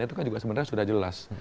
itu kan juga sebenarnya sudah jelas